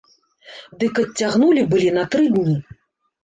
Дык адцягнулі былі на тры дні.